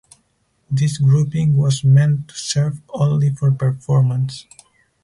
This grouping was meant to serve only for performance.